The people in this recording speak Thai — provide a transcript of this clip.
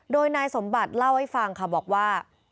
โดยนายสมบัติเล่าให้ฟังค่ะบอกว่า